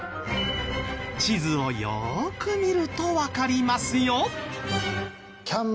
地図をよーく見るとわかりますよ。